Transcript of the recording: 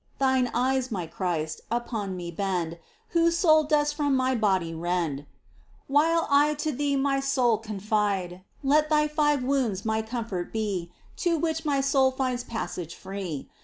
Thine eyes, my Christ, upon me bend. Whose soul dost from my body rend ! While I to Thee my soul confide. Let Thy five wounds my comfort be To which my soul finds passage free.